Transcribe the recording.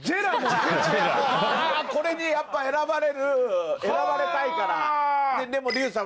これにやっぱ選ばれたいから。